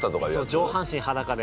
上半身裸で。